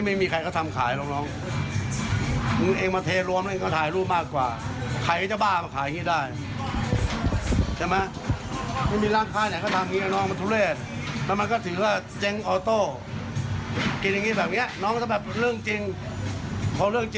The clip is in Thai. แล้วก็โฆษณาไปเขาก็เจ๊งออโต้อยู่แล้ว